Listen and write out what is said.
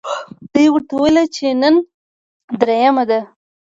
دوی ورته وویل چې نن درېیمه ده.